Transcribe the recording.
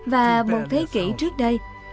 và một thế kỷ trước đây